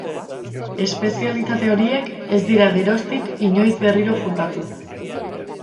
Espezialitate horiek ez dira geroztik inoiz berriro jokatu.